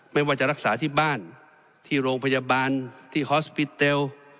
ไม่ว่าจะรักษาที่บ้านที่โรงพยาบาลที่ฮอสปิเตล